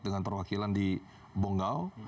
dengan perwakilan di bonggau